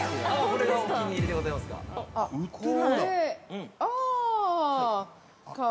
◆これがお気に入りでございますか。